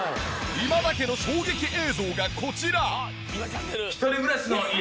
今田家の衝撃映像がこちら。